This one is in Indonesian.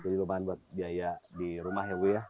jadi lu bahan buat biaya di rumah ya bu ya